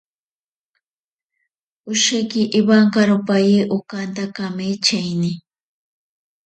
Osheki ewankaropaye okanta kametsaine.